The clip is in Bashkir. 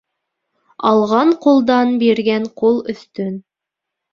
Алған ҡулдан биргән ҡул өҫтөн.